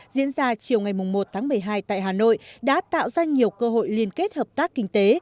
diễn ra chiều ngày một tháng một mươi hai tại hà nội đã tạo ra nhiều cơ hội liên kết hợp tác kinh tế